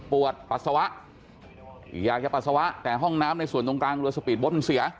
ปวดปัสสาวะอยากจะปัสสาวะแต่ห้องน้ำในส่วนตรงกลางเรือสปีดโบ๊ทมันเสีย